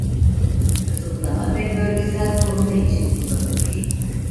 Kısıtlama ve bölgesel koruma için kullanılır.